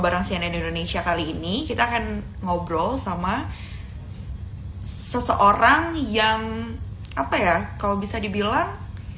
bareng cnn indonesia kali ini kita akan ngobrol sama seseorang yang apa ya kalau bisa dibilang